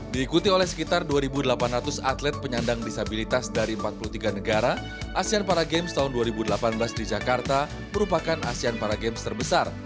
diikuti oleh sekitar dua delapan ratus atlet penyandang disabilitas dari empat puluh tiga negara asean para games tahun dua ribu delapan belas di jakarta merupakan asean para games terbesar